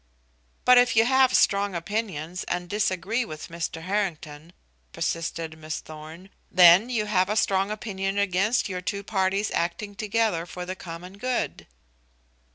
"But if you have strong opinions and disagree with Mr. Harrington," persisted Miss Thorn, "then you have a strong opinion against your two parties acting together for the common good."